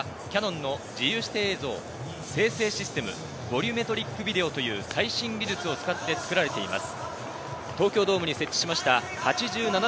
この映像はキヤノンの自由視点映像生成システム、ボリュメトリックビデオという最新技術を使って作られています。